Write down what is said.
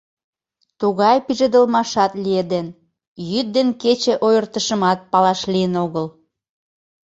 Тугай пижедылмашат лиеден — йӱд ден кече ойыртышымат палаш лийын огыл.